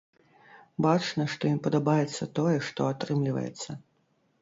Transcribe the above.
Бачна, што ім падабаецца тое, што атрымліваецца.